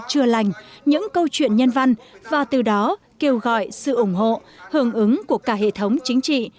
chưa lành những câu chuyện nhân văn và từ đó kêu gọi sự ủng hộ hưởng ứng của cả hệ thống chính trị